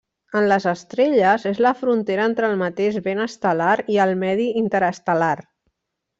En les estrelles, és la frontera entre el mateix vent estel·lar i el medi interestel·lar.